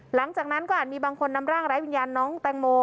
หลังจากนั้นก็อาจมีบางคนนำร่างไร้วิญญาณน้องแตงโม